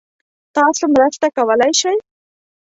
تاسو مرسته کولای شئ؟